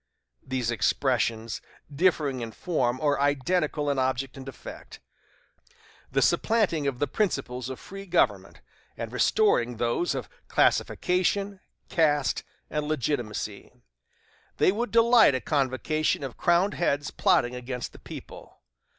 These expressions, differing in form, are identical in object and effect the supplanting the principles of free government, and restoring those of classification, caste, and legitimacy. They would delight a convocation of crowned heads plotting against the people.